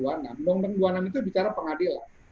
undang undang dua puluh enam itu bicara pengadilan